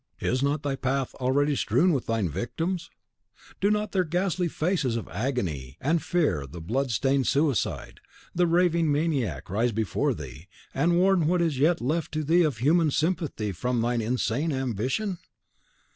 Is not thy path already strewed with thy victims? Do not their ghastly faces of agony and fear the blood stained suicide, the raving maniac rise before thee, and warn what is yet left to thee of human sympathy from thy insane ambition?"